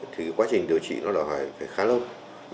thì quá trình điều trị nó là khá lâu